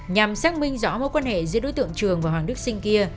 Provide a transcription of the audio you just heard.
nhằm xác minh rõ mối quan hệ giữa đối tượng trường và hoàng đức sinh kia